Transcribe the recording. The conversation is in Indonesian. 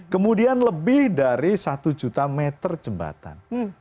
kemudian lebih dari satu juta meter jembatan